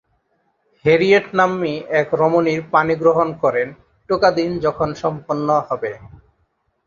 Harriet নাম্নী এক রমণীর পাণিগ্রহণ করেন।